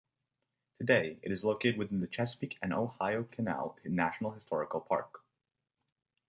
Today, it is located within the Chesapeake and Ohio Canal National Historical Park.